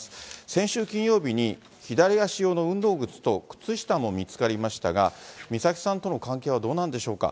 先週金曜日に、左足用の運動靴と靴下も見つかりましたが、美咲さんとの関係はどうなんでしょうか。